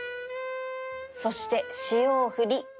そして塩を振り